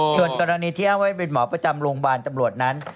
ส่วนกรณีที่อ้างไว้เป็นหมอประจำโรงพยาบาลตำรวจนั้น